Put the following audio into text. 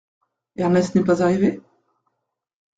Ernest n’est pas arrivé ?…